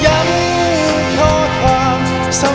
ยังเพราะความสำคัญ